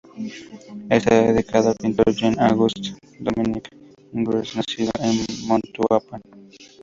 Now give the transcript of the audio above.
Está dedicado al pintor Jean-Auguste-Dominique Ingres, nacido en Montauban.